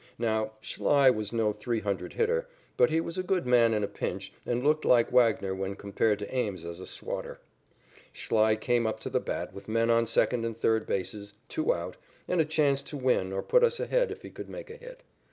Now, Schlei was no three hundred hitter, but he was a good man in a pinch and looked like Wagner when compared to Ames as a swatter. Schlei came up to the bat with men on second and third bases, two out, and a chance to win or put us ahead if he could make a hit.